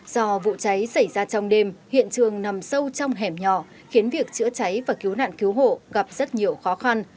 do vụ cháy xảy ra trong đêm hiện trường nằm sâu trong hẻm nhỏ khiến việc chữa cháy và cứu nạn cứu hộ gặp rất nhiều khó khăn